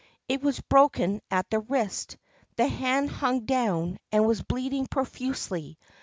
It was broken at the wrist; the hand hung down and was bleeding pro fusely.